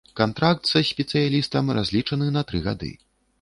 Кантракт са спецыялістам разлічаны на тры гады.